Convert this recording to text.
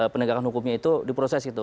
penegakan hukumnya itu diproses gitu